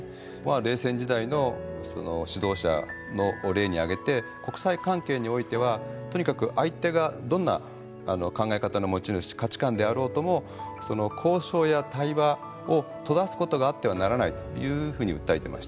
冷戦時代の指導者を例に挙げて国際関係においてはとにかく相手がどんな考え方の持ち主価値観であろうとも交渉や対話を閉ざすことがあってはならないというふうに訴えてましたね。